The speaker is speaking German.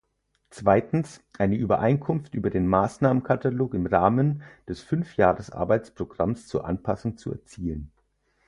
Zweitens, eine Übereinkunft über den Maßnahmekatalog im Rahmen des Fünfjahresarbeitsprogramms zur Anpassung zu erzielen.